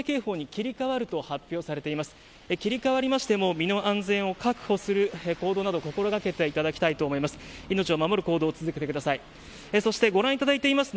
切り替わりましても身の安全を確保する行動などを心掛けていただきたいと思います。